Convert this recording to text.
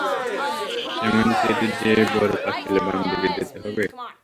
সেমানচেরি যেয়ে বড় পাঁচিলের বাম দিকে যেতে হবে?